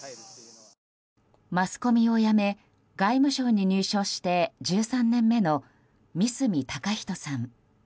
マスコミを辞め外務省に入省して１３年目の三角崇人さん。